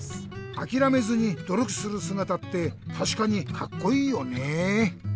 あきらめずにどりょくするすがたってたしかにカッコイイよね。